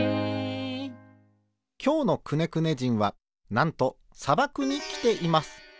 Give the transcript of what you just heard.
きょうのくねくね人はなんとさばくにきています。